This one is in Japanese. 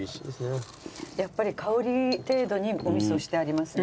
やっぱり香り程度にお味噌してありますね。